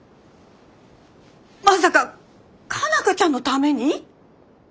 まさか佳奈花ちゃんのために？